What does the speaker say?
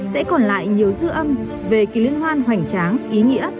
sẽ còn lại nhiều dư âm về kỳ liên hoan hoành tráng ý nghĩa